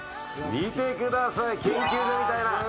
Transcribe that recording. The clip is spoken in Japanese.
見てください研究所みたいな。